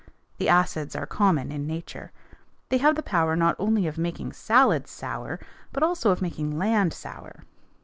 The acids are common in nature. They have the power not only of making salads sour but also of making land sour.